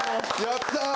やったー